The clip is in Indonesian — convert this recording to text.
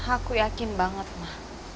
aku yakin banget ma